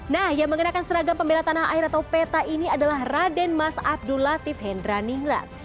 nah yang mengenakan seragam pembela tanah air atau peta ini adalah raden mas abdul latif hendra ningrat